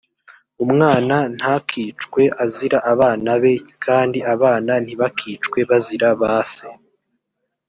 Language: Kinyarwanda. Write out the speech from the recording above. umwana ntakicwe azira abana be kandi abana ntibakicwe bazira ba se